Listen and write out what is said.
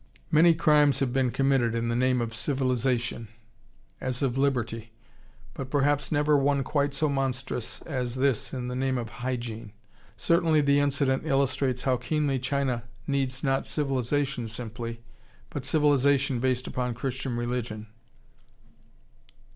"Many crimes have been committed in the name of civilization, as of liberty, but perhaps never one quite so monstrous as this in the name of 'hygiene.' Certainly the incident illustrates how keenly China needs not civilization simply, but civilization based upon Christian religion."